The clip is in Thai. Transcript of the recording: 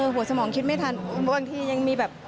หัวสมองคิดไม่ทันบางทียังมีแบบ